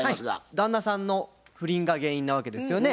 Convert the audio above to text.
旦那さんの不倫が原因なわけですよね。